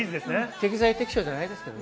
適材適所じゃないですかでね。